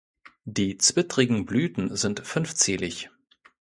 Die zwittrigen Blüten sind fünfzählig.